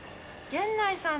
源内さん？